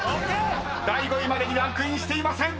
［第５位までにランクインしていません！］